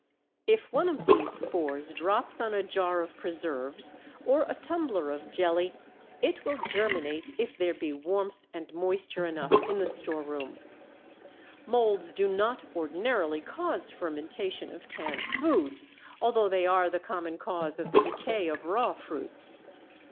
If one of these spores drops on a jar of preserves or a tumbler of jelly, it will germinate if there be warmth and moisture enough in the storeroom. Molds do not ordinarily cause fermentation of canned foods, although they are the common cause of the decay of raw fruits.